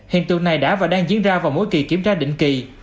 hiện tượng này đã và đang diễn ra vào mỗi kỳ kiểm tra định kỳ